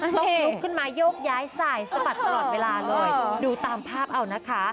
ต้องลุกขึ้นมาโยกย้ายสายสะบัดตลอดเวลาเลยดูตามภาพเอานะคะ